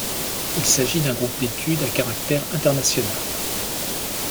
Il s’agit d’un groupe d'études à caractère international.